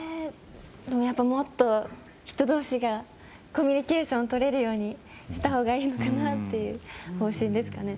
もっと人同士がコミュニケーションをとれるようにしたほうがいいのかなっていう方針ですかね。